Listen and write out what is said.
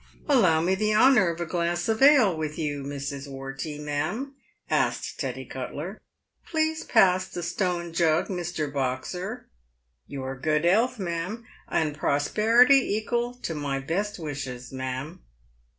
" Allow me the honour of a glass of ale with you, Mrs. Wortey, ma'am ?" asked Teddy Cutler. " Please pass the stone jug, Mr. Boxer. Your good 'ealth, ma'am, and prosperity ekal to my best wishes ma'am."